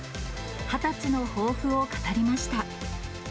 ２０歳の抱負を語りました。